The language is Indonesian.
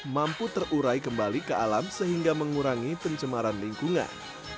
mampu terurai kembali ke alam sehingga mengurangi pencemaran lingkungan